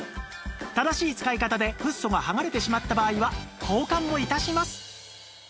正しい使い方でフッ素がはがれてしまった場合は交換も致します